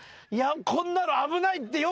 こんなの危ないってよくない。